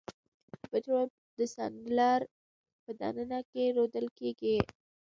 پطرول د سلنډر په د ننه کې رودل کیږي.